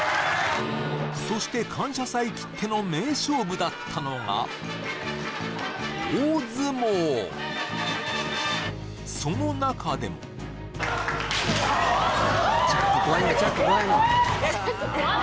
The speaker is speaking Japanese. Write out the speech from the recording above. そして「感謝祭」きっての名勝負だったのがその中でもチャック怖いんだ